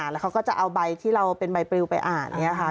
แล้วเขาก็จะเอาใบที่เราเป็นใบปริวไปอ่านอย่างนี้ค่ะ